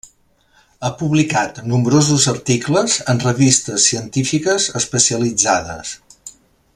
Ha publicat nombrosos articles en revistes científiques especialitzades.